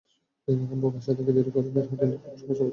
যেদিন আব্বু বাসা থেকে দেরি করে বের হতেন খুব সমস্যায় পড়তে হতো।